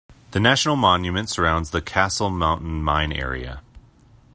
The national monument surrounds the Castle Mountain Mine Area.